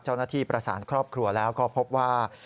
เจ้าหน้าที่ประสานครอบครัวแล้วก็พบว่า